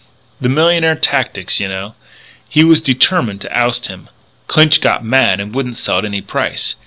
The millionaire tactics you know. He was determined to oust him. Clinch got mad and wouldn't sell at any price.